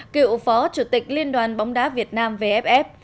cựu phó chủ tịch liên đoàn bóng đá việt nam vff